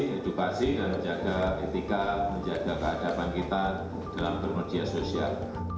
edukasi dan menjaga etika menjaga kehadapan kita dalam bermedia sosial